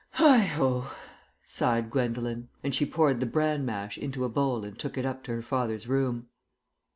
"Heigh ho!" sighed Gwendolen, and she poured the bran mash into a bowl and took it up to her father's room.